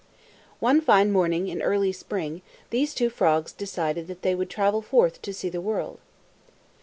One fine morning in early spring, these two frogs decided that they would travel forth to see the world.